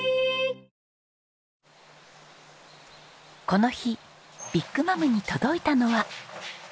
この日ビッグマムに届いたのは。